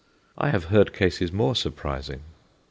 I have heard cases more surprising.